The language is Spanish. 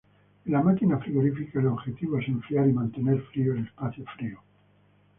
En la máquina frigorífica el objetivo es enfriar y mantener frío el espacio frío.